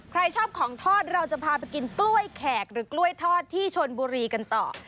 ใครชอบของทอดเราจะพาไปกินกล้วยแขกหรือกล้วยทอดที่ชนบุรีกันต่อ